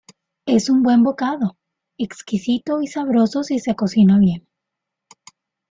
Es un buen bocado, exquisito y sabroso si se cocina bien.